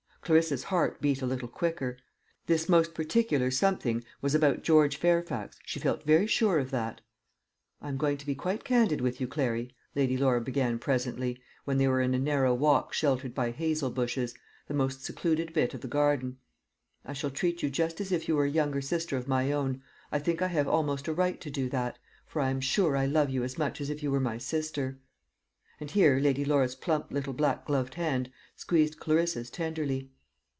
Clarissa's heart beat a little quicker. This most particular something was about George Fairfax: she felt very sure of that. "I am going to be quite candid with you, Clary," Lady Laura began presently, when they were in a narrow walk sheltered by hazel bushes, the most secluded bit of the garden. "I shall treat you just as if you were a younger sister of my own. I think I have almost a right to do that; for I'm sure I love you as much as if you were my sister." And here Lady Laura's plump little black gloved hand squeezed Clarissa's tenderly.